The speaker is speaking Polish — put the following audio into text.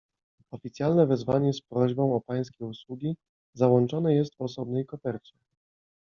"„Oficjalne wezwanie z prośbą o pańskie usługi załączone jest w osobnej kopercie."